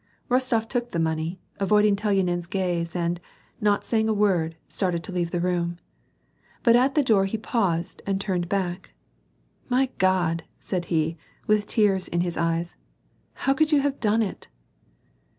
WAR AND PEACE. 167 Kostof took the money, avoiding Telyanin's gaze and, not saying a word, started to leave the room. But at the door he paused and turned hack, " My God !" said he, with tears in his eyes ;" how could you have done it